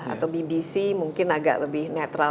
atau bbc mungkin agak lebih netral